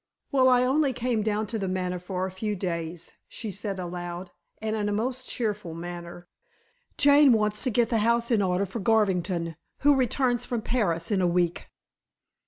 "Well, I only came down to The Manor for a few days," she said aloud, and in a most cheerful manner. "Jane wants to get the house in order for Garvington, who returns from Paris in a week."